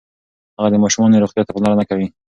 هغه د ماشومانو روغتیا ته پاملرنه کوي.